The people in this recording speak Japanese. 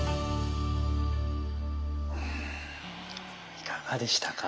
いかがでしたか？